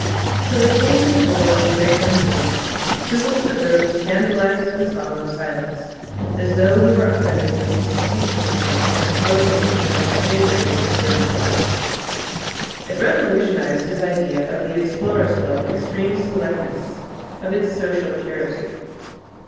Till they came to the door of the great man's room, Toodles preserved a scandalised and solemn silence, as though he were offended with the Assistant Commissioner for exposing such an unsavoury and disturbing fact. It revolutionised his idea of the Explorers' Club's extreme selectness, of its social purity.